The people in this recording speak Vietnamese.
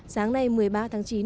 sáng nay một mươi ba tháng chín